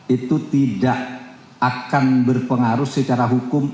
itu tidak akan berpengaruh secara hukum